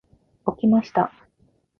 起きました。